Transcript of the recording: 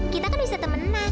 kita kan bisa temenan